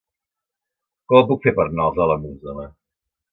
Com ho puc fer per anar als Alamús demà?